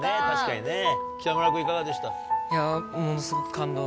確かにね。